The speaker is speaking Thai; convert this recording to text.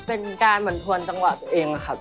เป็นการบรรทวนจังหวะตัวเองครับ